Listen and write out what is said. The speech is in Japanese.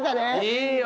いいよ！